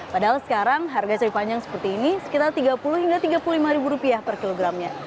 padahal sekarang harga ceri panjang seperti ini sekitar rp tiga puluh hingga rp tiga puluh lima ribu rupiah per kilogramnya